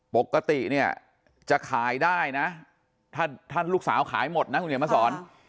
ปกติเนี่ยจะขายได้นะถ้าลูกสาวขายหมดนะคุณเขียนมาสอน